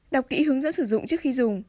đọc kỹ hướng dẫn sử dụng trước khi dùng